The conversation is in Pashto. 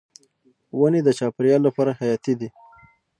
ونې د چاپیریال لپاره حیاتي دي.